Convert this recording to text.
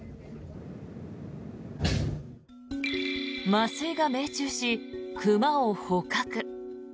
麻酔が命中し、熊を捕獲。